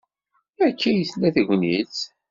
Akka ay tella tegnit.